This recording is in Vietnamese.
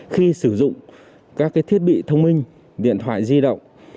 khi sử dụng các thiết bị thông minh điện thoại gì đó